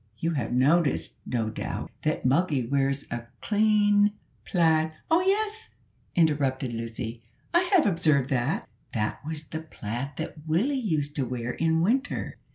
You have noticed, no doubt, that Moggy wears a clean plaid " "Oh, yes," interrupted Lucy; "I have observed that." "That was the plaid that Willie used to wear in winter.